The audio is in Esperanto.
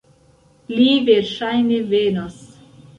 Li verŝajne venos.